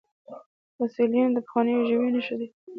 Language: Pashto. فوسیلیونه د پخوانیو ژویو نښې دي